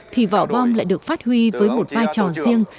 thì vỏ bom lại được phát huy với một vai trò riêng